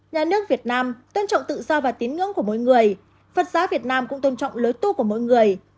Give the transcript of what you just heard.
nhà nước việt nam tôn trọng tự do và tín ngưỡng của mỗi người phật giáo việt nam cũng tôn trọng lối tu của mỗi người